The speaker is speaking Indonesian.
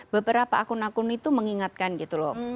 beberapa akun akun itu mengingatkan gitu loh